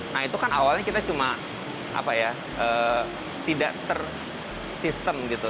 nah itu kan awalnya kita cuma apa ya tidak ter sistem gitu